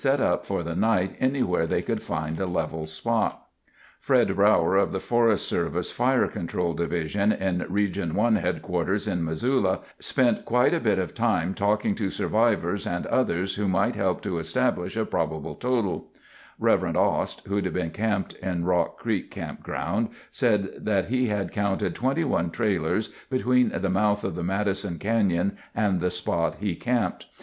(Montana Highway Commission)] Fred Brauer of the Forest Service Fire Control Division in Region 1, HQ in Missoula spent quite a bit of time talking to survivors and others who might help to establish a probable total. Rev. Ost, who'd been camped in Rock Creek Campground, said that he had counted 21 trailers between the mouth of the Madison Canyon and the spot he camped.